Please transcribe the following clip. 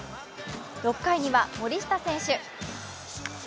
６回には森下選手。